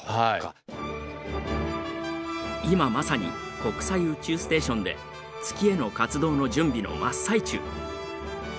今まさに国際宇宙ステーションで月への活動の準備の真っ最中。